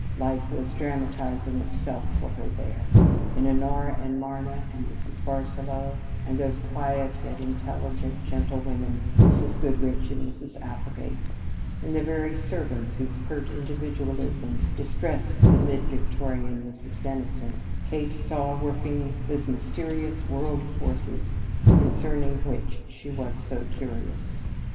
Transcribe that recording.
Life was dramatizing itself for her there. In Honora and Marna and Mrs. Barsaloux and those quiet yet intelligent gentlewomen, Mrs. Goodrich and Mrs. Applegate, in the very servants whose pert individualism distressed the mid Victorian Mrs. Dennison, Kate saw working those mysterious world forces concerning which she was so curious.